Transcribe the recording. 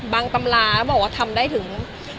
บางตำลาบอกว่าทำได้ถึง